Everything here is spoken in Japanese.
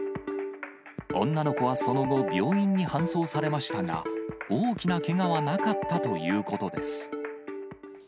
女の子はその後、病院に搬送されましたが、大きなけがはなかったということです。